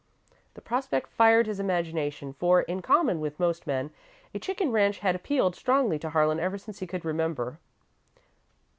The prospect fired his imagination, for, in common with most men, a chicken ranch had appealed strongly to Harlan ever since he could remember.